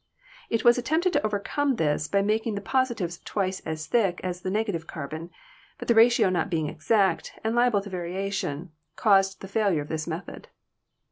It was attempted to overcome this by making the positive twice as thick as the negative carbon, but the ratio not being exact, and liable to variation, caused the failure of this method.